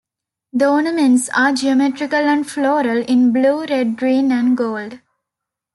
The ornaments are geometrical and floral in blue, red, green, and gold.